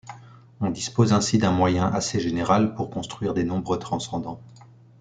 On dispose ainsi d'un moyen assez général pour construire des nombres transcendants.